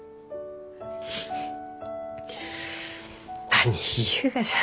何言いゆうがじゃ。